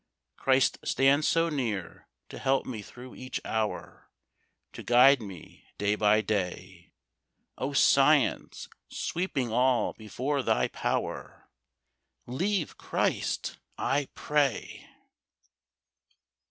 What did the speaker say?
Christ stands so near, to help me through each hour, To guide me day by day. O Science, sweeping all before thy power Leave Christ, I pray!